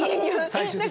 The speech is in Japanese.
最終的に。